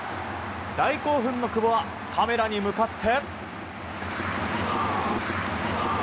大興奮の久保はカメラに向かって。